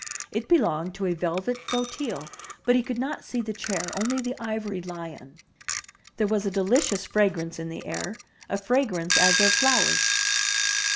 It belonged to a velvet fauteuil, but he could not see the chair, only the ivory Hon. There was a delicious fra grance in the air, — a fragrance as of flowers.